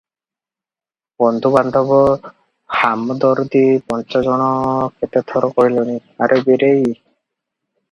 ବନ୍ଧୁ ବାନ୍ଧବ ହାମଦରଦୀ ପାଞ୍ଚ ଜଣ କେତେ ଥର କହିଲେଣି, "ଆରେ ବୀରେଇ!